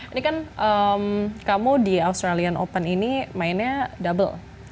ini kan kamu di australian open ini mainnya double